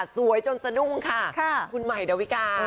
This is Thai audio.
สวยจนสะดุ้งค่ะคุณใหม่ดาวิกา